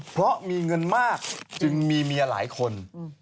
เพราะมีเงินมากจึงมีเมียหลายคน